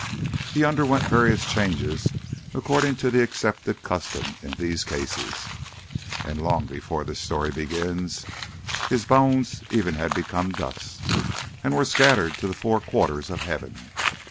He underwent various changes according to the accepted custom in these cases, and long before this story begins his bones even had become dust, and were scattered to the four quarters of heaven.